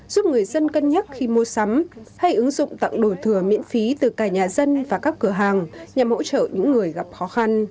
giúp người dân cân nhắc khi mua sắm hay ứng dụng tặng đồ thừa miễn phí từ cả nhà dân và các cửa hàng nhằm hỗ trợ những người gặp khó khăn